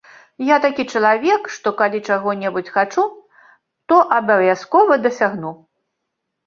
Я такі чалавек, што калі чаго-небудзь хачу, то абавязкова дасягну.